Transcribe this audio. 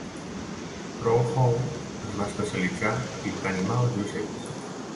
Crawhall es va especialitzar a pintar animals i ocells.